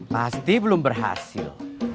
pasti belum berhasil